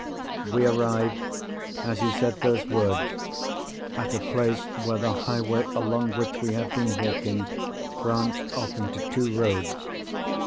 We arrived, as he said those words, at a place where the highway along which we had been walking branched off into two roads.